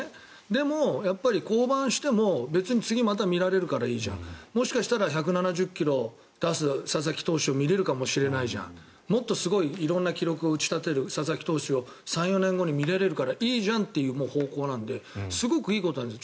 でも、降板しても別に次また見られるからいいじゃんもしかしたら１７０ｋｍを出す佐々木投手を見れるかもしれないじゃんもっとすごい色んな記録を打ち立てる佐々木投手を３４年後に見られるからいいじゃんという方向なのですごくいいことなんです。